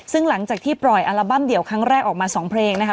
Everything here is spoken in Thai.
ซึ่งหลังจากที่ปล่อยอัลบั้มเดี่ยวครั้งแรกออกมา๒เพลงนะคะ